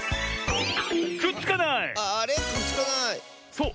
そう。